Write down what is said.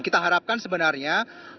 kita harapkan sebenarnya